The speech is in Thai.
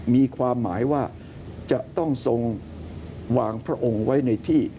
มีความหมายว่าจะต้องทรงวางพระองค์ไว้ในที่